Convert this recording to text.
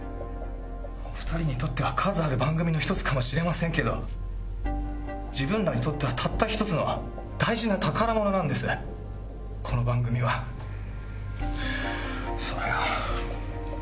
お二人にとっては数ある番組の１つかもしれませんけど自分らにとってはたった１つの大事な宝物なんですこの番組は。それを。